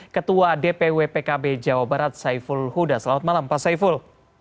ketua dpw pkb jawa barat saiful huda selamat malam pak saiful